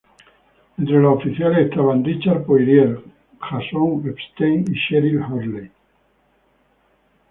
Entre los oficiales estaban Richard Poirier, Jason Epstein, y Cheryl Hurley.